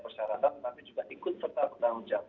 persyaratan tapi juga ikut serta bertanggung jawab